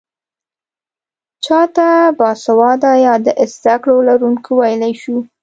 چا ته باسواده يا د زده کړو لرونکی ويلی شو؟